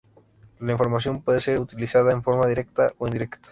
La información puede ser utilizada en forma directa o indirecta.